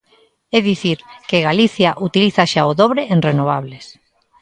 É dicir, que Galicia utiliza xa o dobre en renovables.